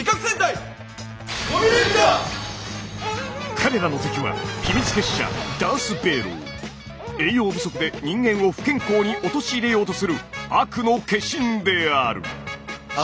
彼らの敵は秘密結社栄養不足で人間を不健康に陥れようとする悪の化身である。